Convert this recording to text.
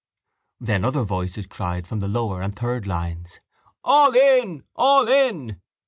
Then other voices cried from the lower and third lines: —All in! All in!